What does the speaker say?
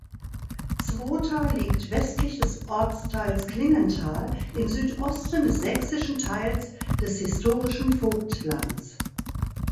Zwota liegt westlich des Ortsteils Klingenthal im Südosten des sächsischen Teils des historischen Vogtlands.